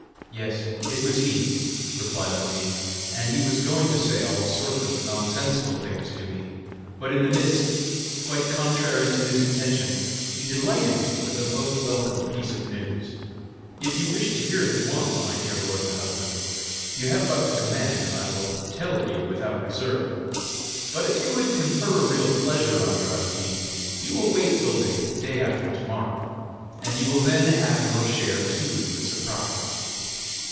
"Yes, it was he," replied Undine, "and he was going to say all sorts of nonsensical things to me. But, in the midst, quite contrary to his intention, he delighted me with a most welcome piece of news. If you wish to hear it at once, my dear lord and husband, you have but to command, and I will tell it you without reserve. But if you would confer a real pleasure on your Undine, you will wait till the day after to morrow, and you will then have your share too in the surprise."